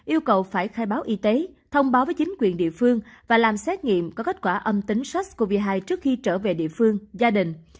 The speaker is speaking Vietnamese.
yêu cầu phải khai báo y tế thông báo với chính quyền địa phương và làm xét nghiệm có kết quả âm tính sars cov hai trước khi trở về địa phương gia đình